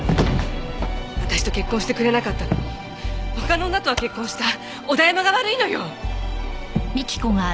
私と結婚してくれなかったのに他の女とは結婚した小田山が悪いのよ。